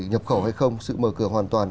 nhập khẩu hay không sự mở cửa hoàn toàn